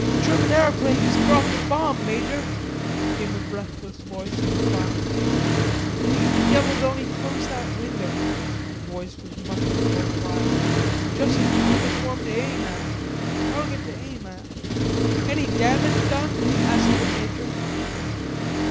"German aeroplane just dropped a bomb, Major," came a breathless voice in reply. "Why the devil don't he close that window?" a voice was muttering all the while. "Juss a target for 'em to aim at... a target to aim at." "Any damage done?" asked the major.